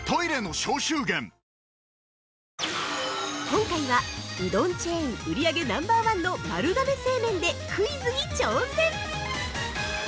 ◆今回は、うどんチェーン売り上げナンバーワンの丸亀製麺でクイズに挑戦。